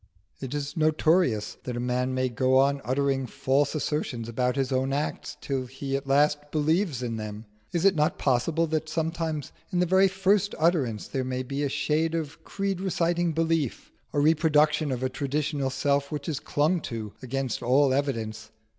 It is notorious that a man may go on uttering false assertions about his own acts till he at last believes in them: is it not possible that sometimes in the very first utterance there may be a shade of creed reciting belief, a reproduction of a traditional self which is clung to against all evidence?